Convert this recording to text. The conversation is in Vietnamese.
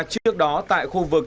trước đó tại khu vực